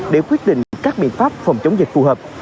để quyết định các biện pháp phòng chống dịch phù hợp